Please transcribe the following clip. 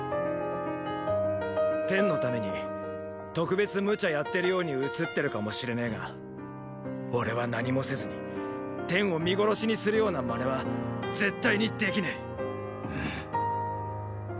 テンのために特別無茶やってるようにうつってるかもしれねェが俺は何もせずにテンを見殺しにするような真似は絶対に出来ねェ。